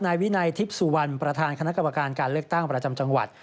นายวินัยทิพย์สุวรรณประธานคณะกรรมการการเลือกตั้งประจำจังหวัด